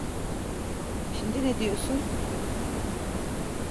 Şimdi ne diyorsun?